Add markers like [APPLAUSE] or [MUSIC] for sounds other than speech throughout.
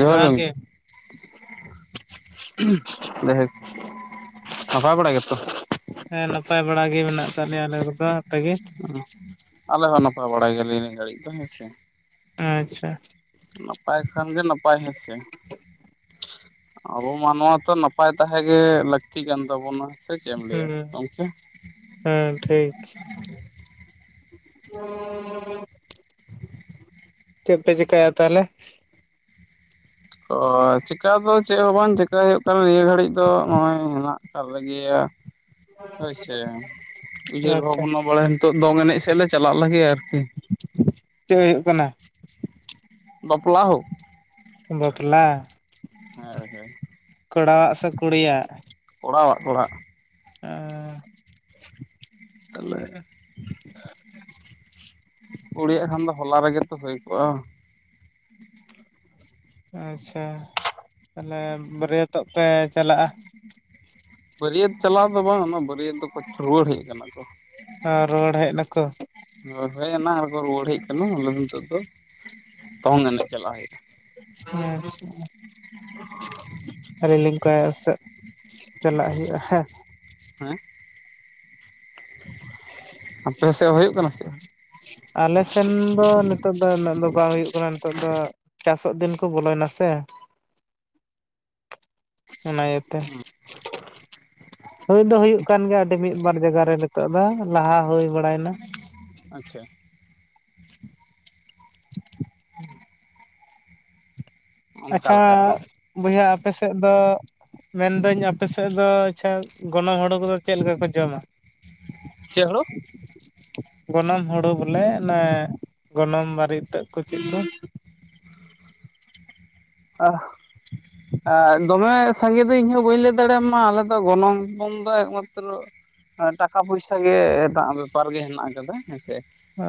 ᱡᱚᱦᱟᱨ ᱜᱚᱢᱠᱮ ᱡᱟᱭ ᱦᱩᱠ ᱦᱮᱸ ᱱᱟᱯᱟᱭ ᱵᱟᱲᱟ ᱜᱮ ᱢᱮᱱᱟᱜ ᱟᱠᱟᱫ ᱞᱮᱭᱟ ᱟᱞᱮ ᱨᱮᱫᱚ ᱟᱯᱮ ᱜᱮ ᱚ ᱟᱞᱮ ᱦᱚᱸ ᱱᱟᱯᱟᱭ ᱵᱟᱲᱟ ᱜᱮᱭᱟᱞᱤᱧ ᱜᱷᱟᱹᱲᱤᱡ ᱫᱚ ᱦᱮᱸ ᱥᱮ ᱟᱪᱷᱟ ᱱᱟᱯᱟᱭ ᱠᱷᱟᱱ ᱜᱮ ᱱᱟᱯᱟᱭ ᱦᱮᱸᱥᱮ ᱟᱵᱚ ᱢᱟᱱᱣᱟ ᱛᱚ ᱱᱟᱯᱟᱭ ᱛᱟᱦᱮᱸ ᱜᱮ ᱞᱟᱹᱠᱛᱤ ᱠᱟᱱ ᱛᱟᱵᱚᱱᱟ ᱥᱮ ᱪᱮᱫ ᱮᱢ ᱞᱟᱹᱭᱟ ᱦᱩᱸ ᱜᱚᱢᱠᱮ ᱦᱮᱸ ᱴᱷᱤᱠ ᱪᱮᱜ ᱯᱮ ᱪᱮᱠᱟᱭᱮᱜ-ᱟ ᱛᱟᱦᱚᱞᱮ? ᱚ ᱪᱮᱠᱟ ᱫᱚ ᱪᱮᱫ ᱦᱚᱸ ᱵᱟᱝ ᱪᱮᱠᱟ ᱦᱩᱭᱩᱜ ᱠᱟᱱᱟ ᱱᱤᱭᱟᱹ ᱜᱷᱟᱹᱲᱤᱡ ᱫᱚ ᱱᱚᱜ ᱚᱭ ᱦᱮᱱᱟᱜ [INAUDIBLE] ᱦᱚᱭᱥᱮ ᱩᱭᱦᱟᱹᱨ ᱟᱪᱪᱷᱟ ᱵᱷᱟᱵᱽᱱᱟ ᱵᱟᱲᱟᱭ ᱱᱤᱛᱚᱜ ᱫᱚᱝ ᱮᱱᱮᱡ ᱥᱮᱜ ᱞᱮ ᱪᱟᱞᱟᱜ ᱞᱟᱹᱜᱤᱫ ᱟᱨᱠᱤ ᱪᱮᱫ ᱦᱩᱭᱩᱜ ᱠᱟᱱᱟ? ᱵᱟᱯᱞᱟ ᱦᱚ ᱵᱟᱯᱞᱟ ᱦᱳᱭ ᱦᱳᱭ ᱠᱚᱲᱟᱣᱟᱜ ᱥᱮ ᱠᱩᱲᱤᱭᱟᱜ? ᱠᱚᱲᱟᱣᱟᱜ ᱠᱚᱲᱟᱦᱟᱜ ᱟᱨ ᱛᱟᱦᱚᱞᱮ ᱪᱮᱫ ᱦᱚᱸ ᱵᱟᱝ ᱟᱸᱡᱚᱢᱚᱜ ᱠᱟᱱᱟ ᱠᱩᱲᱤᱭᱟᱜ ᱠᱷᱟᱱ ᱫᱚ ᱦᱚᱞᱟ ᱨᱮᱜᱮ ᱛᱚ ᱦᱳᱭ ᱠᱚᱜ-ᱟ᱾ ᱟᱪᱪᱷᱟ ᱛᱟᱦᱞᱮ ᱵᱟᱹᱨᱭᱟᱹᱛᱚᱜ ᱯᱮ ᱪᱟᱞᱟᱜ ᱟ? ᱵᱟᱹᱨᱭᱟᱹᱛ ᱪᱟᱞᱟᱣ ᱫᱚ ᱵᱟᱝ ᱚᱱᱟ ᱵᱟᱹᱨᱭᱟᱹᱛ ᱫᱚᱠᱚ ᱨᱩᱭᱟᱹᱲ ᱦᱮᱡ ᱠᱟᱱᱟ ᱠᱚ᱾ ᱟ ᱨᱩᱭᱟᱹᱲ ᱦᱮᱡ ᱱᱟᱠᱚ? ᱦᱳ ᱮᱱᱟᱝ ᱨᱮ ᱠᱚ ᱨᱩᱣᱟᱹᱲ ᱦᱮᱡ ᱠᱟᱱᱟ ᱟᱞᱮ ᱫᱚ ᱱᱤᱛᱚᱜ ᱫᱚ ᱫᱚᱝ ᱮᱱᱮᱡ ᱪᱟᱞᱟᱣ ᱦᱩᱭᱩᱜ-ᱟ᱾ ᱦᱮᱸ ᱪᱷᱟ ᱟᱫᱚ ᱱᱚᱝᱠᱟ ᱯᱟᱥᱮᱫ ᱪᱟᱞᱟᱜ ᱦᱩᱭᱩᱜ-ᱟ ᱦᱟᱸ? ᱦᱮᱸ ᱟᱯᱮ ᱥᱮᱜ ᱦᱩᱭᱩᱜ ᱠᱟᱱᱟ ᱥᱮᱜ ᱟᱞᱮ ᱥᱮᱱ ᱫᱚ ᱱᱤᱛᱚᱜ ᱩᱱᱟᱹᱜ ᱱᱟᱜ ᱫᱚ ᱵᱟᱝ ᱦᱩᱭᱩᱜ ᱠᱟᱱᱟ ᱱᱤᱛᱚᱜ ᱫᱚ ᱪᱟᱥᱚᱜ ᱫᱤᱱ ᱠᱚ ᱵᱚᱞᱚᱭᱱᱟ ᱥᱮ ᱚᱱᱟ ᱤᱭᱟᱹᱛᱮ ᱦᱩᱭ ᱫᱚ ᱦᱩᱭᱩᱜ ᱠᱟᱱ ᱜᱮᱭᱟ ᱟᱹᱰᱤ ᱢᱤᱫ ᱵᱟᱨ ᱡᱟᱜᱟ ᱨᱮ ᱱᱤᱛᱚᱜ ᱫᱚ ᱞᱟᱦᱟ ᱦᱩᱭ ᱵᱟᱲᱟᱭᱱᱟ ᱟᱪᱷᱟ ᱪᱮᱫ ᱦᱚᱸ ᱵᱟᱝ ᱟᱪᱷᱟ ᱵᱚᱭᱦᱟ ᱟᱯᱮ ᱥᱮᱜ ᱫᱚ ᱢᱮᱱᱫᱟᱹᱧ ᱟᱯᱮ ᱥᱮᱜ ᱫᱚ ᱟᱪᱷᱟ ᱜᱚᱱᱚᱝ ᱦᱳᱲᱳ ᱠᱚᱫᱚ ᱪᱮᱫ ᱞᱮᱠᱟ ᱠᱚ ᱡᱚᱢᱟ ᱪᱮᱫ ᱦᱳᱲᱳ ᱜᱚᱱᱚᱝ ᱦᱩᱲᱩ ᱵᱚᱞᱮ ᱚᱱᱮ ᱜᱚᱱᱚᱝ ᱵᱟᱨᱮᱤᱛᱟᱹᱜ ᱠᱚ ᱪᱤᱜ ᱠᱚ, [INAUDIBLE] ᱫᱚᱢᱮ ᱥᱟᱸᱜᱮ ᱫᱚ ᱤᱧ ᱦᱚᱸ ᱵᱟᱹᱧ ᱞᱟᱹᱭ ᱫᱟᱲᱮᱭᱟᱢᱟ ᱟᱞᱮ ᱫᱚ ᱜᱚᱱᱚᱝ ᱯᱚᱱ ᱫᱚ ᱮᱠᱢᱟᱛᱨᱚ ᱴᱟᱠᱟ ᱯᱚᱭᱥᱟ ᱜᱮ [INAUDIBLE] ᱵᱮᱯᱟᱨ ᱜᱮ ᱦᱮᱱᱟᱜ ᱟᱠᱟᱫᱟ ᱦᱮᱸᱥᱮ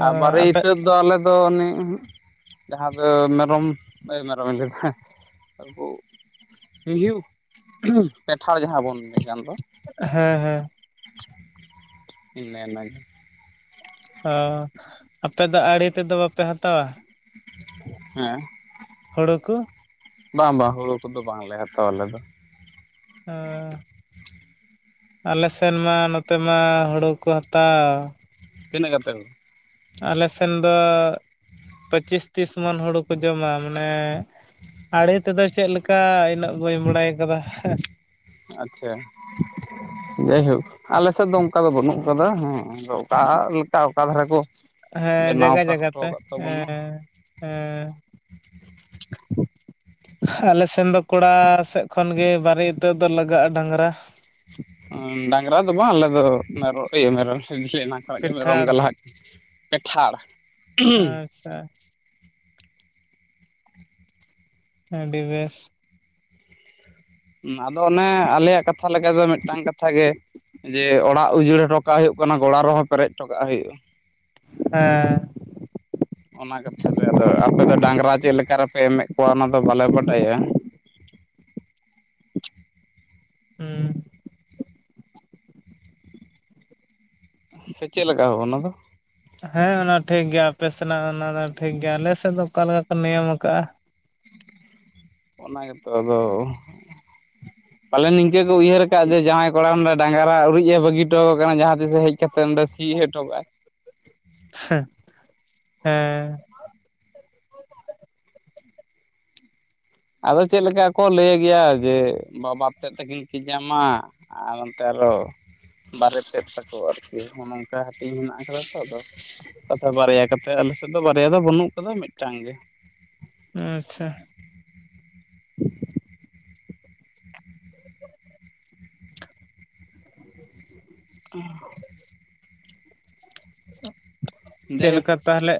ᱟᱨ ᱟᱯᱮ ᱵᱟᱨᱮᱤᱛᱟᱹᱫ ᱫᱚ ᱟᱞᱮ ᱫᱚ ᱩᱱᱤ ᱡᱟᱦᱟᱸ ᱫᱚ ᱢᱮᱨᱚᱢ, ᱮ ᱢᱮᱨᱚᱢᱤᱧ ᱞᱟᱹᱭ ᱫᱟ ᱟᱵᱩ ᱢᱤᱭᱦᱩᱸ ᱯᱮᱴᱷᱟᱲ ᱡᱟᱦᱟᱸ ᱵᱚᱱ ᱞᱟᱹᱭ ᱜᱟᱱ ᱫᱚ ᱦᱮᱸ ᱦᱮᱸ ᱢᱮᱱ ᱟ ᱡᱮ ᱟᱯᱮ ᱫᱚ ᱟᱲᱮ ᱛᱮᱫᱚ ᱵᱟᱯᱮ ᱦᱟᱛᱟᱣᱟ? ᱦᱮᱸ ᱦᱩᱲᱩ ᱠᱚ ᱵᱟᱝ ᱵᱟᱝ ᱦᱳᱲᱳ ᱠᱚᱫᱚ ᱵᱟᱝᱞᱮ ᱦᱟᱛᱟᱣᱟ ᱟᱞᱮ ᱫᱚ᱾ ᱟ ᱟᱞᱮ ᱥᱮᱱ ᱢᱟ ᱱᱚᱛᱮ ᱢᱟ ᱦᱩᱲᱩ ᱠᱚ ᱦᱟᱛᱟᱣ, ᱛᱤᱱᱟᱹᱜ ᱠᱟᱛᱮᱜ ᱦᱳ ᱟᱞᱮ ᱥᱮᱱ ᱫᱚ ᱯᱚᱹᱪᱤᱥ ᱛᱤᱥ ᱢᱚᱱ ᱦᱩᱲᱩ ᱠᱚ ᱡᱚᱢᱟ ᱢᱟᱱᱮ ᱟᱲᱮ ᱛᱮᱫᱚ ᱪᱮᱫ ᱞᱮᱠᱟ ᱤᱱᱟᱹᱜ ᱵᱟᱹᱧ ᱵᱟᱲᱟᱭ ᱠᱟᱫᱟ ᱦᱟᱸ᱾ ᱟᱪᱪᱷᱟ ᱡᱟᱭᱦᱳᱠ ᱟᱞᱮ ᱥᱮᱫ ᱫᱚ ᱚᱱᱠᱟ ᱫᱚ ᱵᱟᱹᱱᱩᱜ ᱠᱟᱫᱟ ᱦᱮᱸ, ᱟᱫᱚ ᱚᱠᱟ ᱞᱮᱠᱟ ᱚᱠᱟ ᱫᱷᱟᱨᱮ ᱠᱚ ᱦᱮᱸ ᱵᱮᱱᱟᱣ ᱡᱟᱭᱜᱟ ᱡᱟᱭᱜᱟ ᱦᱚᱴᱚ ᱛᱮ, ᱟᱠᱟᱫ ᱛᱟᱵᱚᱱᱟ ᱦᱮᱸ ᱦᱮᱸ [UNINTELLIGIBLE] ᱟᱞᱮ ᱥᱮᱱ ᱫᱚ ᱠᱚᱲᱟ ᱥᱮᱜ ᱠᱷᱚᱱᱜᱮ ᱵᱟᱨᱮ ᱤᱛᱟᱹᱛ ᱫᱚ ᱞᱟᱜᱟᱜ-ᱟ ᱰᱟᱝᱨᱟ᱾ ᱰᱟᱝᱨᱟ ᱫᱚ ᱵᱟᱝ ᱟᱞᱮ ᱫᱚ ᱢᱮᱨᱚ, ᱤᱭᱟᱹ ᱢᱮᱨᱚᱢ ᱮᱱᱟᱝ ᱠᱷᱱᱟᱜ ᱜᱮ ᱢᱮᱨᱚᱢ ᱯᱤᱴᱷᱟᱹᱲ ᱜᱮ ᱞᱟᱦᱟᱜ ᱯᱮᱸᱴᱷᱟᱲ ᱟᱪᱪᱷᱟ ᱟᱹᱰᱤ ᱵᱮᱥ᱾ ᱢᱟ ᱟᱫᱚ ᱚᱱᱮ ᱟᱞᱮᱭᱟᱜ ᱠᱟᱛᱷᱟ ᱞᱮᱠᱟ ᱫᱚ ᱢᱤᱫᱴᱟᱝ ᱠᱟᱛᱷᱟ ᱜᱮᱼᱼ ᱡᱮ ᱚᱲᱟᱜ ᱩᱡᱟᱹᱲ ᱦᱚᱴᱚᱠᱟᱜ ᱦᱩᱭᱩᱜ ᱠᱟᱱᱟ ᱜᱚᱲᱟ ᱨᱮᱦᱚᱸ ᱯᱮᱨᱮᱡ ᱴᱚᱠᱟᱜ ᱦᱩᱭᱩᱜ-ᱟ᱾ ᱦᱮᱸ᱾ ᱚᱱᱟ ᱠᱟᱛᱷᱟ ᱨᱮ ᱟᱫᱚ ᱟᱯᱮ ᱫᱚ ᱰᱟᱝᱜᱽᱨᱟ ᱪᱮᱫ ᱞᱮᱠᱟ ᱨᱮᱯᱮ ᱮᱢᱮᱜ ᱠᱚᱣᱟ ᱚᱱᱟ ᱫᱚ ᱵᱟᱞᱮ ᱵᱟᱰᱟᱭᱟ᱾ ᱦᱩ᱾ᱸ ᱥᱮ ᱪᱮᱜ ᱞᱮᱠᱟ ᱦᱳ ᱚᱱᱟ ᱫᱚ? ᱦᱮᱸ ᱚᱱᱟ ᱴᱷᱤᱠ ᱜᱮᱭᱟ ᱟᱯᱮ ᱥᱮᱱᱟᱜ ᱚᱱᱟ ᱫᱚ ᱴᱷᱤᱠ ᱜᱮᱭᱟ ᱟᱞᱮ ᱥᱮᱫ ᱫᱚ ᱚᱠᱟ ᱞᱮᱠᱟ ᱠᱚ ᱱᱤᱭᱚᱢ ᱟᱠᱟᱟᱜ-ᱟ, ᱚᱱᱟ ᱜᱮᱛᱚ ᱟᱫᱚ ᱯᱟᱞᱮᱱ ᱱᱤᱝᱠᱟᱹ ᱠᱚ ᱩᱭᱦᱟᱹᱨ ᱟᱠᱟᱜ ᱡᱮ ᱡᱟᱶᱟᱭ ᱠᱚᱲᱟ ᱱᱚᱸᱰᱮᱼᱼ ᱰᱟᱝᱜᱽᱨᱟ ᱩᱨᱤᱡ ᱮ ᱵᱟᱹᱜᱤ ᱚᱴᱚᱣ ᱠᱟᱱᱟ ᱡᱟᱦᱟᱸ ᱛᱤ ᱥᱮ ᱦᱮᱡ ᱠᱟᱛᱮᱜ ᱚᱸᱰᱮ ᱥᱤᱭ ᱚᱴᱚ ᱠᱟᱜ-ᱟᱭ᱾ ᱥᱮᱸ ᱦᱮᱸ᱾ ᱟᱫᱚ ᱪᱮᱫ ᱞᱮᱠᱟ ᱠᱚ ᱞᱟᱹᱭ ᱜᱮᱭᱟ? ᱡᱮ ᱵᱟᱵᱟ ᱛᱮᱫ ᱛᱟᱹᱠᱤᱱ ᱜᱮ ᱠᱤᱱ ᱧᱟᱢᱟ ᱟᱨ ᱱᱚᱱᱛᱮ ᱟᱨᱦᱚᱸ᱾ ᱵᱟᱨᱮ ᱛᱮᱫ ᱛᱟᱠᱚ ᱟᱨ ᱠᱤ ᱱᱚᱜ-ᱚ ᱱᱚᱝᱠᱟ ᱦᱟᱹᱴᱤᱧ ᱢᱮᱱᱟᱜ ᱟᱠᱟᱫᱟ ᱛᱚ ᱟᱫᱚ ᱠᱟᱛᱷᱟ ᱵᱟᱨᱭᱟ ᱠᱟᱛᱮᱜ ᱟᱞᱮ ᱥᱮᱫ ᱫᱚ ᱵᱟᱨᱭᱟ ᱫᱚ ᱵᱟᱹᱱᱩᱜ ᱠᱟᱫ ᱫᱚ ᱢᱤᱫᱴᱟᱹᱝ ᱜᱮ᱾ ᱟᱪᱪᱷᱟ᱾ [UNINTELLIGIBLE] ᱪᱮᱫ ᱡᱟᱭᱦᱳᱠ ᱞᱮᱠᱟ? ᱛᱟᱦᱚᱞᱮ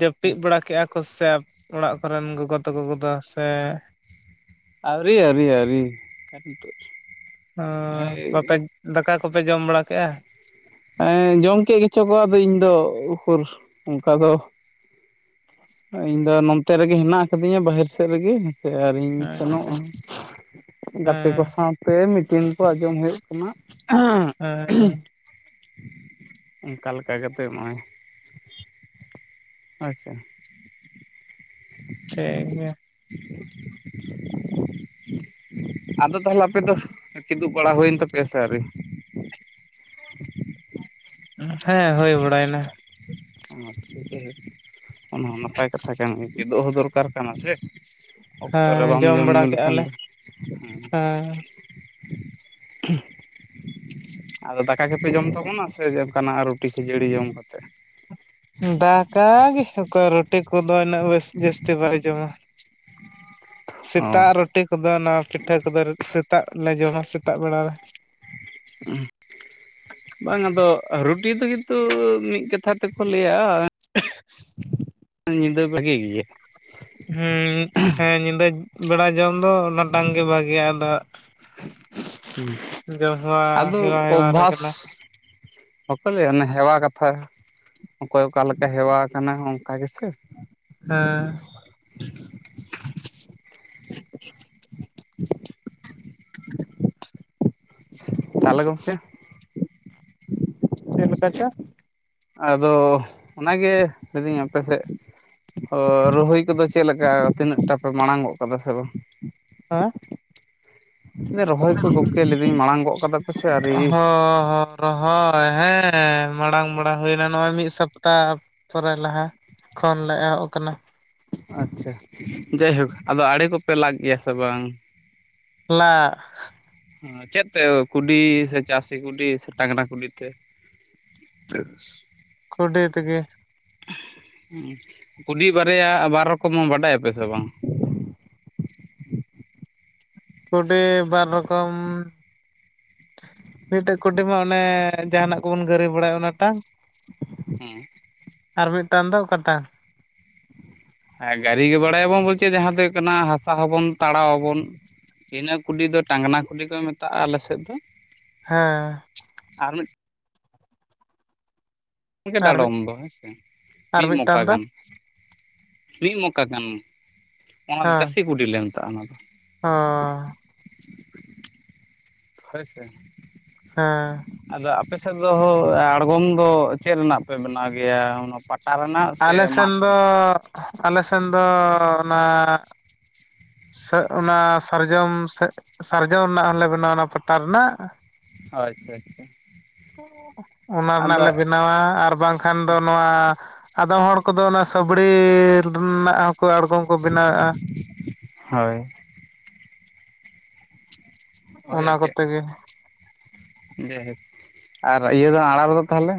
ᱡᱟᱹᱯᱤᱫ ᱵᱟᱲᱟ ᱠᱮᱜᱼᱟ ᱠᱚ ᱥᱮ ᱚᱲᱟᱜ ᱠᱚ ᱨᱮᱱ ᱜᱳᱜᱳ ᱛᱟᱹᱠᱩ ᱠᱚᱫᱚ ᱥᱮᱻ᱾ ᱟᱣᱨᱤ ᱟᱹᱣᱨᱤ ᱟᱹᱣᱨᱤ ᱠᱟᱨ ᱱᱤᱛᱚᱜ ᱚᱸ ᱵᱟᱯᱮ ᱫᱟᱠᱟ ᱠᱚᱯᱮ ᱡᱚᱢ ᱵᱟᱲᱟ ᱠᱮᱜ-ᱟ? ᱮᱸ ᱡᱚᱢ ᱠᱮᱜ ᱜᱮᱪᱚ ᱠᱚ ᱟᱫᱚ ᱤᱧ ᱫᱚ ᱩᱠᱩᱨ ᱚᱱᱠᱟ ᱫᱚᱼᱼ ᱤᱧ ᱫᱚ ᱱᱚᱱᱛᱮ ᱨᱮᱜᱮ ᱦᱮᱱᱟᱜ ᱟᱠᱟ ᱫᱤᱧᱟ ᱵᱟᱦᱤᱨ ᱥᱮᱫ ᱨᱮᱜᱤ ᱦᱮ ᱥᱮ ᱟᱨᱤᱧ ᱟᱪᱪᱷᱟ ᱥᱮᱱᱚᱜ-ᱟ ᱜᱟᱛᱮ ᱠᱚ ᱦᱮᱸ ᱥᱟᱶᱛᱮ ᱢᱤᱴᱤᱱ ᱠᱚ ᱟᱸᱡᱚᱢ ᱦᱩᱭᱩᱜᱼᱼ ᱠᱟᱱᱟ, ᱟᱦᱟᱸᱜ ᱦᱮᱸ ᱦᱩᱸ, ᱚᱱᱠᱟ ᱞᱮᱠᱟ ᱠᱟᱛᱮᱜ ᱱᱚᱜ-ᱚᱭ᱾ [UNINTELLIGIBLE] ᱟᱪᱪᱷᱟ᱾ ᱴᱷᱤᱠ [UNINTELLIGIBLE] ᱟᱫᱚ ᱛᱟᱦᱞᱮ ᱟᱯᱮ ᱫᱚ ᱠᱤᱫᱩᱜ ᱵᱟᱲᱟ ᱦᱩᱭᱮᱱ ᱛᱟᱯᱮᱭᱟ ᱥᱮ ᱟᱹᱣᱨᱤ? [UNINTELLIGIBLE] ᱦᱮᱸ ᱦᱩᱭ ᱵᱟᱲᱟᱭ ᱱᱟ᱾ ᱟᱨ ᱪᱤᱜ [UNINTELLIGIBLE] ᱚᱱᱟ ᱦᱚᱸ ᱱᱟᱯᱟᱭ ᱠᱟᱛᱷᱟ ᱠᱟᱱ ᱜᱮ ᱪᱮᱫᱚᱜ ᱦᱚᱸ ᱫᱚᱨᱠᱟᱨ ᱠᱟᱱᱟ ᱥᱮ? ᱚᱠᱛᱚ ᱨᱮ ᱦᱮᱸ ᱵᱟᱢ ᱡᱚᱢ ᱧᱩᱸ ᱞᱮᱠᱷᱟᱱ ᱫᱚ ᱦᱟᱸᱻ ᱟᱫᱚ ᱫᱟᱠᱟ ᱜᱮᱯᱮ ᱡᱚᱢ ᱛᱟᱵᱚᱱᱟ ᱥᱮ ᱡᱮ‌‌ ᱚᱠᱟ ᱱᱟᱜ ᱨᱩᱴᱤ ᱠᱷᱟᱹᱡᱟᱹᱲᱤ ᱡᱚᱢ ᱠᱟᱛᱮᱜ? ᱫᱟᱻᱠᱟᱻ ᱜᱮ ᱚᱠᱚᱭ ᱨᱚᱴᱤ ᱠᱩᱫᱚ ᱤᱱᱟᱹᱜ ᱵᱮᱥ ᱡᱟᱹᱥᱛᱤ ᱵᱟᱞᱮ‌ ᱡᱚᱢᱟ᱾ ᱚ ᱥᱮᱛᱟᱜ ᱨᱚᱴᱤ ᱠᱚᱫᱚ ᱚᱱᱟ ᱯᱤᱴᱷᱟᱹ ᱠᱚᱫᱚ ᱥᱮᱛᱟᱜ ᱞᱮ ᱡᱚᱢᱟ ᱥᱮᱛᱟᱜ ᱵᱮᱲᱟ ᱨᱮ᱾ [UNINTELLIGIBLE] ᱵᱟᱝ ᱟᱫᱚ ᱨᱩᱴᱤ ᱛᱮᱜᱮ ᱛᱩᱻ ᱢᱤᱫ ᱠᱟᱛᱷᱟ ᱛᱮ ᱠᱚ ᱞᱟᱹᱭᱟ [UNINTELLIGIBLE] ᱧᱤᱫᱟᱹ ᱵᱟᱹᱜᱤ ᱜᱤᱭᱟ᱾ ᱦᱩᱸᱻ ᱦᱮᱸᱻ ᱧᱤᱫᱟᱹ ᱵᱮᱲᱟ ᱡᱚᱢ ᱫᱚ ᱚᱱᱟ ᱴᱟᱝ ᱜᱮ ᱵᱷᱟᱹᱜᱤᱭᱟ ᱟᱫᱚ ᱦᱩᱸ ᱡᱚᱢ ᱦᱮᱣᱟ ᱟᱫᱚ ᱦᱮᱣᱟ ᱦᱮᱣᱟ ᱨᱮ ᱠᱟᱱᱟ᱾ ᱚᱵᱵᱷᱟᱥ ᱵᱟᱠᱚ ᱞᱟᱹᱭᱟ ᱚᱱᱮ ᱦᱮᱣᱟ ᱠᱟᱛᱷᱟ ᱚᱠᱚᱭ ᱚᱠᱟ ᱞᱮᱠᱟ ᱦᱮᱣᱟ ᱟᱠᱟᱱᱟ ᱚᱱᱠᱟ ᱜᱮ ᱥᱮ? ᱦᱮᱸ᱾ [UNINTELLIGIBLE] [INAUDIBLE] ᱛᱟᱦᱚᱞᱮ ᱜᱚᱢᱠᱮ ᱪᱮᱜ ᱞᱮᱠᱟ ᱪᱚ? ᱟᱫᱚ ᱚᱱᱟᱜᱮ ᱞᱟᱹᱭ [UNINTELLIGIBLE] ᱟᱯᱮ ᱥᱮᱫ ᱚᱻ ᱨᱚᱦᱩᱭ ᱠᱚᱫᱚ ᱪᱮᱫ ᱞᱮᱠᱟ ᱛᱤᱱᱟᱹᱜ ᱴᱟ ᱯᱮ ᱢᱟᱲᱟᱝ ᱜᱚᱜ ᱠᱟᱫᱟ ᱥᱮ ᱵᱟᱝ? ᱦᱮᱸ ᱨᱚᱦᱚᱭ ᱠᱚ ᱜᱚᱢᱠᱮ ᱞᱟᱹᱭ ᱮᱫᱟᱹᱧ ᱢᱟᱲᱟᱝ ᱜᱚᱫ ᱠᱟᱫᱟ ᱯᱮᱥᱮ ᱟᱹᱣᱨᱤ ᱚᱦᱚ ᱨᱚᱦᱚᱭ ᱦᱮᱸ ᱢᱟᱲᱟᱝ ᱢᱟᱲᱟᱝ ᱦᱩᱭᱱᱟ ᱱᱚᱜᱼᱚᱭ ᱢᱤᱫ ᱥᱚᱯᱛᱟ ᱯᱚᱨᱮ ᱞᱟᱦᱟ ᱠᱷᱚᱱ ᱞᱮ ᱮᱦᱚᱵ ᱟᱠᱟᱱᱟ ᱟᱪᱪᱷᱟ ᱡᱟᱭᱦᱩᱠ ᱟᱫᱚ ᱟᱲᱮ ᱠᱚᱯᱮ ᱞᱟ ᱠᱮᱭᱟ ᱥᱮ ᱵᱟᱝ ᱞᱟᱜ ᱪᱮᱫ ᱛᱮ ᱠᱩᱰᱤ ᱥᱮ ᱪᱟᱹᱥᱤ ᱠᱩᱰᱤ ᱥᱮ ᱴᱟᱝᱱᱟ ᱠᱩᱰᱤ ᱛᱮ? [UNINTELLIGIBLE] ᱠᱩᱰᱤ ᱛᱮᱜᱮ ᱠᱩᱰᱤ ᱵᱟᱨᱭᱟ ᱵᱟᱨ ᱨᱚᱠᱚᱢ ᱵᱟᱰᱟᱭᱟᱯᱮ ᱥᱮ ᱵᱟᱝ? ᱠᱩᱰᱤ ᱵᱟᱨ ᱨᱚᱠᱚᱢ ᱢᱤᱫᱴᱮᱡ ᱠᱩᱴᱤ ᱢᱟ ᱚᱱᱮ ᱡᱟᱦᱟᱱᱟᱜ ᱠᱚᱵᱚᱱ ᱜᱟᱹᱨᱤ ᱵᱟᱲᱟᱭᱟ ᱚᱱᱟ ᱴᱟᱝ ᱦᱮᱸ ᱟᱨ ᱢᱤᱫᱴᱟᱝ ᱫᱚ ᱚᱠᱟᱴᱟᱜ? ᱦᱮᱸ ᱜᱟᱹᱨᱤ ᱜᱮ ᱵᱟᱲᱟᱭᱟᱵᱚᱱ ᱵᱚᱞᱪᱮ ᱡᱟᱦᱟᱸ ᱫᱚ ᱦᱩᱭᱩᱜ ᱠᱟᱱᱟ ᱦᱟᱥᱟ ᱦᱚᱸᱵᱚᱱ ᱛᱟᱲᱟᱣ ᱟᱵᱚᱱ ᱤᱱᱟᱹ ᱠᱩᱰᱤ ᱫᱚ ᱴᱟᱝᱱᱟ ᱠᱩᱰᱤ ᱠᱚ ᱢᱮᱛᱟᱜᱼᱟ ᱟᱞᱮᱥᱮᱫ ᱫᱚ ᱦᱮᱸ ᱟᱨ ᱢᱤᱫ [UNINTELLIGIBLE] ᱟᱨ ᱢᱤᱫ ᱰᱟᱰᱚᱢ ᱫᱚ ᱟᱨ ᱢᱤᱫ ᱢᱚᱠᱟ ᱢᱤᱫᱴᱟᱝ ᱫᱚ ᱜᱟᱱ ᱢᱤᱫ ᱢᱚᱠᱟ ᱜᱟᱱ ᱚᱱᱟ ᱫᱚ ᱦᱮᱸ ᱪᱟᱹᱥᱤ ᱠᱩᱰᱤ ᱞᱮ ᱢᱮᱛᱟᱜᱼᱟ [UNINTELLIGIBLE] ᱦᱚᱭ ᱥᱮ ᱦᱮᱸ ᱟᱫᱚ ᱟᱯᱮ ᱥᱮᱫ ᱫᱚ ᱟᱬᱜᱚᱢ ᱫᱚ ᱪᱮᱫ ᱨᱮᱱᱟᱜ ᱯᱮ ᱵᱮᱱᱟᱣ ᱜᱮᱭᱟ ᱚᱱᱟ ᱯᱟᱴᱟ ᱨᱮᱱᱟᱜ ᱥᱮ ᱟᱞᱮ ᱥᱮᱱ ᱢᱟᱫ ᱫᱚ ᱨᱮᱱᱟᱜ ᱟᱞᱮ ᱥᱮᱱ ᱫᱚ ᱚᱱᱟ ᱚᱱᱟ ᱥᱟᱨᱡᱚᱢ ᱥᱟᱨᱡᱚᱢ ᱨᱮᱱᱟᱜ ᱦᱚᱸᱞᱮ ᱵᱮᱱᱟᱣᱟ ᱚᱱᱟ ᱯᱟᱴᱟ ᱨᱮᱱᱟᱜ ᱦᱚᱭ ᱟᱪᱪᱷᱟ ᱟᱪᱪᱷᱟ ᱚᱱᱟ ᱨᱮᱱᱟᱜ ᱟᱫᱚ ᱞᱮ ᱵᱮᱱᱟᱣᱟ ᱟᱨ ᱵᱟᱝᱠᱷᱟᱱ ᱫᱚ ᱱᱚᱣᱟ ᱟᱫᱚᱢ ᱦᱚᱲ ᱠᱚᱫᱚ ᱚᱱᱟ ᱥᱟᱹᱵᱲᱤ ᱨᱮᱱᱟᱜ ᱦᱚᱸᱠᱚ ᱟᱬᱜᱚᱢ ᱠᱚ ᱵᱮᱱᱟᱣᱮᱫᱼᱟ ᱦᱳᱭ ᱦᱳᱭ ᱚᱱᱟ ᱟᱨᱠᱤ ᱠᱚᱛᱮ ᱜᱮ ᱡᱟᱭᱦᱳᱠ ᱟᱨ ᱤᱭᱟᱹ ᱫᱚ ᱟᱨᱟᱬ ᱫᱚ ᱛᱟᱦᱚᱞᱮ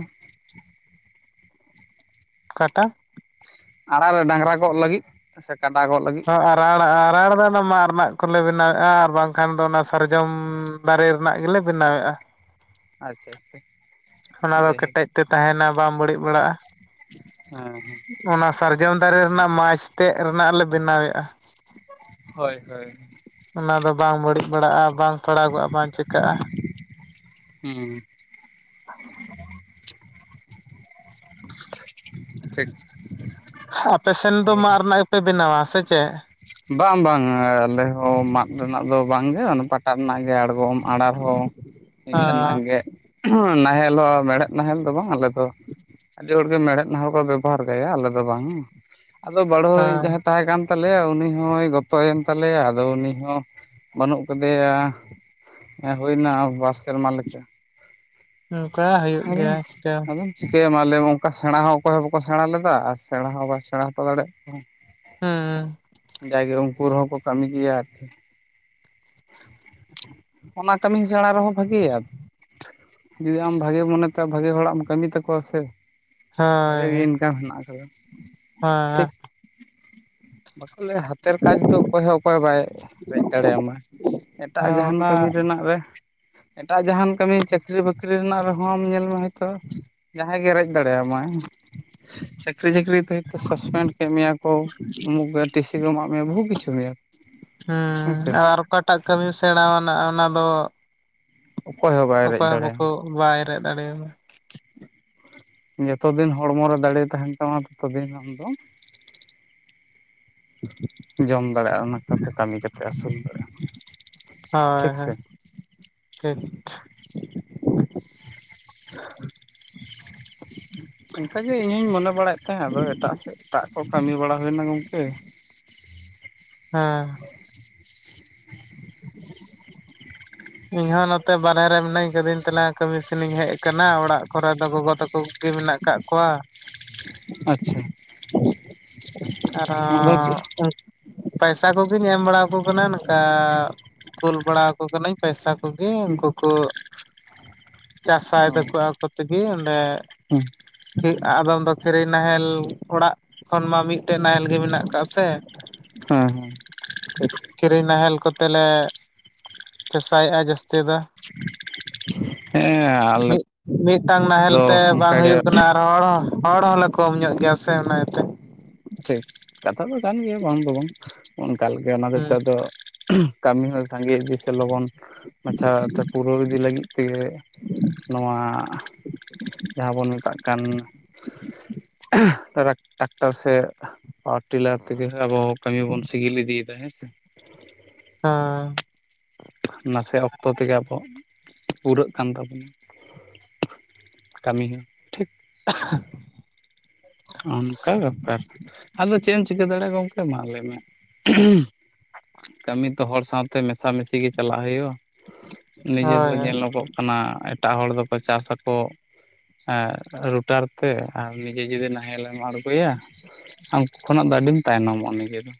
ᱚᱠᱟᱴᱟᱜ ᱟᱨᱟᱬ ᱨᱮ ᱰᱟᱝᱨᱟ ᱜᱚᱜ ᱞᱟᱹᱜᱤᱫ ᱥᱮ ᱠᱟᱰᱟ ᱜᱚᱜ ᱞᱟᱹᱜᱤᱫ ᱟᱜ ᱟᱨᱟᱬ ᱫᱚ ᱚᱱᱟ ᱢᱟᱜ ᱨᱮᱱᱟᱜ ᱠᱚᱞᱮ ᱵᱮᱱᱟᱣᱮᱫᱼᱟ ᱟᱨ ᱵᱟᱝᱠᱷᱟᱱ ᱫᱚ ᱚᱱᱟ ᱥᱟᱨᱡᱚᱢ ᱫᱟᱨᱮ ᱨᱮᱱᱟᱜ ᱜᱮᱞᱮ ᱵᱮᱱᱟᱣᱮᱫᱼᱟ ᱟᱪᱪᱷᱟ ᱟᱪᱪᱷᱟ ᱚᱱᱟ ᱫᱚ ᱡᱟᱭᱦᱳᱠ ᱠᱮᱴᱮᱡ ᱛᱮ ᱛᱟᱦᱮᱱᱟ ᱵᱟᱢ ᱵᱟᱹᱲᱤᱡ ᱵᱟᱲᱟᱜᱼᱟ ᱦᱮᱸ ᱦᱮᱸ ᱚᱱᱟ ᱥᱟᱨᱡᱚᱢ ᱫᱟᱨᱮ ᱨᱮᱱᱟᱜ ᱢᱟᱪᱷ ᱛᱮᱫ ᱨᱮᱱᱟᱜ ᱞᱮ ᱵᱮᱱᱟᱣᱮᱫᱼᱟ ᱦᱳᱭ ᱦᱳᱭ ᱚᱱᱟ ᱫᱚ ᱵᱟᱝ ᱵᱟᱹᱲᱤᱡ ᱵᱟᱲᱟᱜᱼᱟ ᱵᱟᱝ ᱯᱟᱲᱟᱜᱚᱜᱼᱟ ᱵᱟᱝ ᱪᱤᱠᱟᱹᱜᱼᱟ ᱦᱩᱸ ᱟ [UNINTELLIGIBLE] [UNINTELLIGIBLE] ᱴᱷᱤᱠ ᱯᱮ ᱵᱮᱱᱟᱣᱟ ᱥᱮ ᱪᱮᱫ ᱵᱟᱝ ᱵᱟᱝ ᱟᱞᱮ ᱦᱚᱸ ᱢᱟᱫ ᱨᱮᱱᱟᱜ ᱫᱚ ᱵᱟᱝᱜᱮ ᱯᱟᱴᱟ ᱨᱮᱱᱟᱜ ᱜᱮ ᱟᱲᱜᱚᱢ ᱟᱨᱟᱬ ᱦᱚᱸ ᱦᱚᱸ ᱤᱱᱟ ᱨᱮᱱᱟᱜ ᱜᱮ ᱱᱟᱦᱮᱞ ᱦᱚᱸ ᱢᱮᱲᱦᱮᱫ ᱱᱟᱦᱮᱞ ᱫᱚ ᱵᱟᱝ ᱟᱞᱮ ᱫᱚ ᱟᱹᱰᱤ ᱦᱚᱲ ᱜᱮ ᱢᱮᱲᱦᱮᱫ ᱱᱟᱦᱮᱞ ᱠᱚ ᱵᱮᱵᱷᱟᱨ ᱜᱮᱭᱟ ᱟᱞᱮ ᱫᱚ ᱵᱟᱝ ᱟᱫᱚ ᱵᱟᱲᱦᱳ ᱦᱳᱭ ᱡᱟᱦᱟᱸᱭ ᱛᱟᱦᱮᱸ ᱠᱟᱱ ᱛᱟᱞᱮᱭᱟ ᱩᱱᱤ ᱦᱚᱸ ᱱᱩᱭ ᱜᱚᱛᱚᱭᱮᱱ ᱛᱟᱞᱮᱭᱟ ᱟᱫᱚ ᱩᱱᱤ ᱦᱚᱸ ᱵᱟᱹᱱᱩᱜ ᱠᱟᱫᱮᱭᱟ ᱦᱮᱸ ᱦᱩᱭᱱᱟ ᱵᱟᱨ ᱥᱮᱨᱢᱟ ᱞᱮᱠᱟ ᱠᱟ ᱦᱩᱭᱩᱜ [UNINTELLIGIBLE] ᱟᱫᱚ ᱪᱤᱠᱟᱹ ᱟᱫᱚ ᱪᱤᱠᱟᱹᱭ ᱟᱢ ᱟᱞᱮ ᱦᱚᱸ ᱚᱱᱠᱟ ᱥᱮᱬᱟ ᱦᱚᱸ ᱚᱠᱚᱭ ᱦᱚᱸ ᱵᱟᱠᱚ ᱥᱮᱬᱟ ᱞᱮᱫᱟ ᱟᱨ ᱥᱮᱬᱟ ᱦᱚᱸ ᱵᱟᱭ ᱥᱮᱬᱟ ᱦᱚᱴᱚ ᱫᱟᱲᱮᱭᱟᱜ ᱦᱩᱸ ᱠᱚ ᱡᱟᱜᱮ ᱩᱱᱠᱩ ᱨᱮᱦᱚᱸ ᱠᱚ ᱠᱟᱹᱢᱤ ᱜᱮᱭᱟ ᱟᱨᱠᱤ ᱚᱱᱟ ᱠᱟᱹᱢᱤ ᱥᱮᱬᱟ ᱨᱮᱦᱚᱸ ᱵᱷᱟᱹᱜᱮᱭᱟ ᱡᱩᱫᱤ ᱟᱢ ᱵᱷᱟᱜᱤ ᱢᱚᱱᱮᱛᱮ ᱵᱷᱟᱜᱮ ᱦᱚᱲᱟᱜ ᱮᱢ ᱠᱟᱹᱢᱤ ᱛᱟᱠᱚᱣᱟ ᱥᱮ ᱵᱷᱟᱜᱤ ᱜᱮ ᱤᱱᱠᱟᱢ ᱢᱮᱱᱟᱜ ᱟᱠᱟᱫᱟ᱾ ᱴᱷᱤᱠ ᱥᱮ᱾ ᱦᱮᱻ ᱵᱟᱠᱚ ᱞᱟᱹᱭᱟ ᱦᱟᱛᱮᱨ ᱠᱟᱡᱽ ᱫᱚ ᱚᱠᱚᱭ ᱦᱚᱸ ᱚᱠᱚᱭ ᱵᱟᱭ ᱨᱮᱡ ᱫᱟᱲᱮᱭᱟᱢᱟ ᱮᱴᱟᱜ ᱦᱮᱸ ᱡᱟᱦᱟᱱ ᱠᱚ ᱚᱱᱟ ᱨᱮᱱᱟᱜ ᱨᱮ᱾ ᱮᱴᱟᱜ ᱡᱟᱦᱟᱱ ᱠᱟᱹᱢᱤ ᱪᱟᱹᱠᱨᱤ ᱵᱟᱹᱠᱨᱤ ᱨᱮᱱᱟᱜ ᱨᱮᱦᱚᱸᱢ ᱧᱮᱞ ᱢᱮ ᱛᱚ ᱡᱟᱦᱟᱸᱭ ᱜᱮ ᱨᱮᱡ ᱫᱟᱲᱮᱭᱟᱢᱟᱭ [UNINTELLIGIBLE] ᱪᱟᱹᱠᱨᱤ ᱪᱟᱹᱠᱨᱤ ᱫᱚ ᱦᱚᱛᱚ ᱥᱟᱥᱯᱮᱱᱰ ᱠᱮᱫ ᱢᱮᱭᱟ ᱠᱚ ᱩᱢᱩᱠ ᱜᱮ ᱴᱤᱥᱤ ᱠᱚ ᱮᱢᱟᱜ ᱢᱮᱭᱟ ᱵᱚᱦᱩᱛ ᱠᱤᱪᱷᱩ ᱢᱮᱭᱟ ᱦᱮᱸ ᱦᱮᱸᱥᱮ [UNINTELLIGIBLE] ᱮᱴᱟᱜ ᱠᱟᱹᱢᱤᱢ ᱥᱮᱬᱟ ᱟᱱᱟᱜ ᱚᱱᱟ ᱫᱚ ᱚᱠᱚᱭ ᱦᱚᱸ ᱵᱟᱭ ᱨᱮᱡ ᱚᱠᱚᱭ ᱦᱚᱸ ᱵᱟᱠᱚ ᱫᱟᱲᱮᱭᱟᱢᱟ ᱵᱟᱭ ᱨᱮᱡ ᱫᱟᱲᱮᱭᱟᱫᱟ ᱡᱚᱛᱚ ᱫᱤᱱ ᱦᱚᱲᱢᱚ ᱨᱮ ᱫᱟᱲᱮ ᱛᱟᱦᱮᱱ ᱛᱟᱢᱟ ᱛᱚᱵᱮ ᱮᱱᱟᱝ ᱟᱢᱫᱚ ᱡᱚᱢ ᱫᱟᱲᱮᱭᱟᱜᱼᱟ ᱚᱱᱟ ᱠᱟᱛᱮ ᱠᱟᱹᱢᱤ ᱠᱟᱛᱮ ᱟᱹᱥᱩᱞ ᱫᱟᱲᱮᱭᱟᱜᱼᱟ ᱦᱳᱭ ᱦᱳᱭ ᱴᱷᱤᱠᱥᱮ ᱴᱷᱤᱠ [UNINTELLIGIBLE] ᱤᱱᱠᱟᱜᱮ ᱤᱧᱦᱩᱧ ᱢᱚᱱᱮ ᱵᱟᱲᱟᱭᱮᱫ ᱛᱟᱦᱮᱸᱫ ᱟᱫᱚ ᱮᱴᱟᱜ ᱥᱮᱫ ᱮᱴᱟᱜ ᱠᱚ ᱠᱟᱹᱢᱤ ᱵᱟᱲᱟ ᱦᱩᱭᱱᱟ ᱜᱚᱝᱠᱮ ᱦᱮᱻ ᱤᱧ ᱦᱚᱸ ᱱᱚᱛᱮ ᱵᱟᱨᱦᱮ ᱨᱮ ᱢᱤᱱᱟᱹᱧ ᱠᱟᱹᱫᱤᱧ ᱛᱞᱟᱮ ᱠᱟᱹᱢᱤᱥᱮᱱᱤᱧ ᱦᱮᱡ ᱟᱠᱟᱱᱟ ᱚᱲᱟᱜ ᱠᱚᱨᱮ ᱫᱚ ᱜᱚᱜᱚ ᱛᱟᱠᱚ ᱜᱮ ᱢᱮᱱᱟᱜ ᱠᱟᱜ ᱠᱚᱣᱟ ᱟᱪᱪᱷᱟ [UNINTELLIGIBLE] ᱟᱨ ᱟᱫᱚ ᱪᱮᱫ ᱦᱚ ᱯᱟᱭᱥᱟ ᱠᱚᱜᱤᱧ ᱮᱢ ᱵᱟᱲᱟᱠᱚ ᱠᱟᱱᱟ ᱱᱚᱝᱠᱟ ᱠᱩᱞ ᱵᱟᱲᱟᱠᱚ ᱠᱟᱱᱟ. ᱧ ᱯᱚᱭᱥᱟ ᱠᱚ ᱤᱧ ᱚ ᱠᱳᱠᱳ ᱪᱟᱥᱟᱭ ᱫᱟᱠᱚ ᱦᱮᱸ ᱟᱠᱚ ᱛᱮᱜᱮ ᱚᱸᱰᱮ ᱟᱫᱚᱢ ᱫᱚ ᱠᱷᱤᱨᱤ ᱱᱟᱦᱮᱞ ᱚᱲᱟᱜ ᱠᱷᱚᱱ ᱢᱟ ᱢᱤᱫᱴᱮᱡ ᱱᱟᱦᱮᱞ ᱜᱮ ᱢᱮᱱᱟᱜ ᱟᱠᱟᱜ ᱥᱮ ᱦ ᱦᱮᱸ ᱴᱷᱤᱠ ᱠᱤᱨᱤᱧ ᱱᱟᱦᱮᱞ ᱠᱚᱛᱮ ᱞᱮ ᱪᱟᱥᱟᱭᱮᱫᱟᱭ ᱡᱟᱹᱥᱛᱤ ᱫᱚ ᱦᱮᱸ ᱟᱞᱮ ᱢᱤᱫ ᱢᱤᱫᱴᱟᱝ ᱱᱟᱦᱮᱞ ᱫᱚ ᱛᱮ ᱵᱟᱝ ᱚᱱᱠᱟᱜᱮ ᱦᱩᱭᱩᱜ ᱠᱟᱱᱟ ᱦᱚᱲ ᱦᱚᱸ ᱦᱚᱲ ᱦᱚᱸᱞᱮ ᱠᱚᱢ ᱧᱚᱜ ᱜᱮᱭᱟ ᱥᱮ ᱚᱱᱟ ᱤᱭᱟᱹᱛᱮ ᱴᱷᱤᱠ ᱠᱟᱛᱷᱟ ᱫᱚ ᱠᱟᱱ ᱜᱮᱭᱟ ᱵᱟᱝ ᱫᱚ ᱵᱟᱝ ᱚᱱᱠᱟ ᱞᱮᱠᱟ ᱚᱱᱟ ᱦᱩᱸ᱾ ᱫᱚᱤᱛᱚᱜ ᱫᱚ ᱠᱟᱹᱢᱤ ᱦᱚᱸ ᱥᱟᱸᱜᱮ ᱤᱫᱤ ᱥᱮ ᱞᱚᱜᱚᱱ ᱢᱟᱪᱷᱟ ᱯᱩᱨᱟᱹᱣ ᱤᱫᱤ ᱞᱟᱹᱜᱤᱫ ᱛᱮᱜᱮ ᱱᱚᱣᱟ ᱡᱟᱦᱟᱸ ᱵᱚᱱ ᱢᱮᱛᱟᱜ ᱠᱟᱱ [UNINTELLIGIBLE] ᱴᱟᱠᱴᱚᱨ ᱥᱮ ᱟᱨ ᱴᱤᱞᱟᱨ ᱛᱮᱜᱮ ᱟᱵᱚ ᱠᱟᱹᱢᱤ ᱵᱚᱱ ᱥᱤᱜᱤᱞ ᱤᱫᱤᱭᱮᱫᱟ ᱦᱮᱸ ᱥᱮ ᱦᱮᱻ ᱱᱟᱥᱮ ᱚᱠᱛᱚ ᱛᱮᱜᱮ ᱟᱵᱚ ᱯᱩᱨᱟᱹᱜ ᱠᱟᱱ ᱛᱟᱵᱚᱱᱟ ᱠᱟᱹᱢᱤ ᱦᱚᱸ ᱴᱷᱤᱠ [UNINTELLIGIBLE] ᱚᱱᱠᱟ ᱵᱮᱯᱟᱨ ᱟᱫᱚ ᱪᱮᱫ ᱮᱢ ᱪᱤᱠᱟᱹ ᱫᱟᱲᱮᱭᱟᱜᱼᱟ ᱜᱚᱢᱠᱮ ᱢᱟ ᱞᱟᱹᱭ ᱢᱮ [UNINTELLIGIBLE] ᱠᱟᱹᱢᱤ ᱛᱚ ᱦᱚᱲ ᱥᱟᱶᱛᱮ ᱢᱮᱥᱟ ᱢᱮᱥᱤ ᱜᱮ ᱪᱟᱞᱟᱜ ᱦᱩᱭᱩᱜᱼᱟ ᱱᱤᱡᱮ ᱦᱳᱭ ᱫᱚ ᱦᱳᱭ ᱧᱮᱞᱚᱜᱚᱜ ᱠᱟᱱᱟ ᱮᱴᱟᱜ ᱦᱚᱲ ᱫᱚᱠᱚ ᱪᱟᱥ ᱟᱠᱚ ᱮᱻ ᱨᱩᱴᱟᱨ ᱛᱮ ᱟᱨ ᱱᱤᱡᱮ ᱡᱩᱫᱤ ᱱᱤᱦᱮᱞᱮᱢ ᱟᱬᱜᱚᱭᱟ ᱩᱱᱠᱩ ᱠᱷᱚᱱᱟᱜ ᱫᱚ ᱟᱹᱰᱤᱢ ᱛᱟᱭᱱᱚᱢᱚᱜᱼᱟ ᱱᱤᱡᱮ ᱫᱚ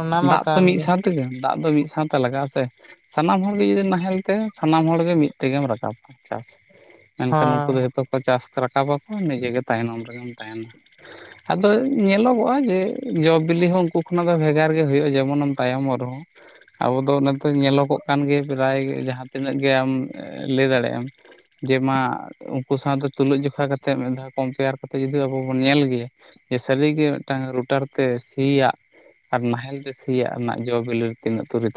ᱚᱱᱟ ᱢᱟ ᱫᱟᱜ ᱛᱚ ᱠᱟᱱ ᱢᱤᱫ ᱜᱮ ᱥᱟᱶ ᱛᱮᱜᱮ ᱫᱟᱜ ᱫᱚ ᱢᱤᱫ ᱥᱟᱶᱛᱮ ᱞᱟᱜᱟᱜᱼᱟ ᱥᱮ ᱥᱟᱱᱟᱢ ᱦᱚᱲᱜᱮ ᱡᱩᱫᱤ ᱱᱟᱦᱮᱞ ᱛᱮ ᱥᱟᱱᱟᱢ ᱦᱚᱲᱜ ᱢᱤᱫ ᱛᱮᱜᱮᱢ ᱨᱟᱠᱟᱵᱟ ᱪᱟᱥ ᱢᱮᱱᱠᱷᱟᱱ ᱩᱱᱠᱩ ᱦᱮᱸ᱾ ᱫᱚ ᱡᱷᱚᱛᱚ ᱠᱚ ᱪᱟᱥ ᱨᱟᱠᱟᱵᱟ ᱱᱤᱡᱮ ᱜᱮ ᱛᱟᱭᱱᱚᱢ ᱨᱮᱜᱮᱢ ᱛᱟᱦᱮᱱᱟ ᱟᱫᱚ ᱧᱮᱞᱚᱜᱚᱜᱼᱟ ᱡᱮ ᱡᱚ ᱵᱤᱞᱤ ᱦᱚᱸ ᱩᱱᱠᱩ ᱚᱱᱟ ᱫᱚ ᱵᱷᱮᱜᱟᱨ ᱜᱮ ᱦᱩᱭᱩᱜᱼᱟ ᱡᱮᱢᱚᱱ ᱮᱢ ᱛᱟᱭᱚᱢᱚᱜ ᱨᱮᱦᱚᱸ ᱟᱵᱚ ᱫᱚ ᱚᱱᱟ ᱫᱚ ᱧᱮᱞᱚᱜᱚᱜ ᱠᱟᱱ ᱯᱨᱟᱭ ᱡᱟᱦᱟᱸᱛᱤᱱᱟᱹᱜ ᱜᱮ ᱟᱢ ᱞᱟᱹᱭ ᱫᱟᱲᱮᱭᱟᱜ ᱟᱢ ᱡᱮ ᱢᱟ ᱩᱱᱠᱩ ᱥᱟᱶᱛᱮ ᱛᱩᱞᱩᱡ ᱡᱚᱠᱷᱟ ᱠᱟᱛᱮᱫ ᱢᱤᱫ ᱫᱷᱟᱣ ᱠᱚᱢᱯᱮᱭᱟᱨ ᱠᱟᱛᱮᱫ ᱡᱚᱫᱤ ᱟᱵᱚ ᱵᱚᱱ ᱧᱮᱞ ᱜᱮᱭᱟ ᱥᱟᱨᱤ ᱜᱮ ᱢᱤᱫᱴᱟᱝ ᱨᱩᱴᱟᱨ ᱛᱮ ᱥᱤᱭᱟᱜ ᱟᱨ ᱱᱟᱦᱮᱞ ᱛᱮᱭᱟᱜ ᱨᱮᱱᱟᱜ ᱡᱚ ᱵᱤᱞᱤ ᱛᱤᱱᱟᱹᱜ ᱛᱩᱨᱤ ᱛᱚᱯᱟ